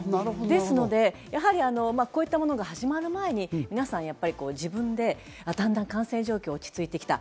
ですので、こういったものが始まる前に皆さん、自分でだんだん、感染状況が落ち着いてきた。